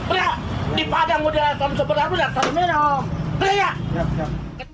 ria di padang udah samsung berharga harus ada minum